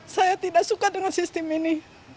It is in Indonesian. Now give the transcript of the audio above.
saya tidak suka dengan sistem ini